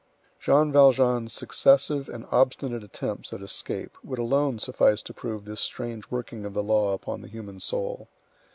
Jean Valjean's successive and obstinate attempts at escape would alone suffice to prove this strange working of the law upon the human soul.